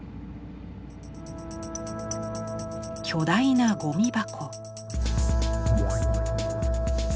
巨大なゴミ箱。